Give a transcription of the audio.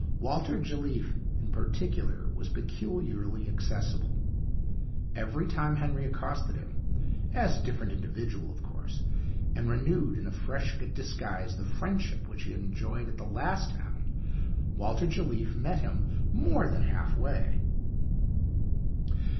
Walter Jelliffe, in particular, was peculiarly accessible. Every time Henry accosted him as a different individual, of course and renewed in a fresh disguise the friendship which he had enjoyed at the last town, Walter Jelliffe met him more than half way.